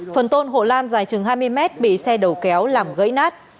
phần tôn hộ lan dài chừng hai mươi mét bị xe đầu kéo làm gãy nát